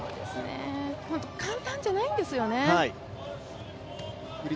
簡単じゃないんですよね。